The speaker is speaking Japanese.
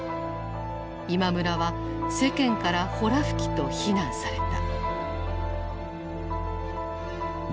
今村は世間から「ほら吹き」と非難された。